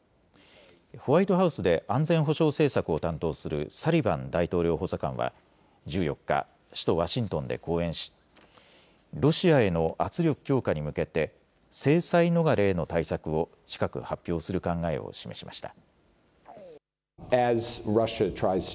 ホワイトハウスで安全保障政策を担当するサリバン大統領補佐官は１４日、首都ワシントンで講演しロシアへの圧力強化に向けて制裁逃れへの対策を近く発表する考えを示しました。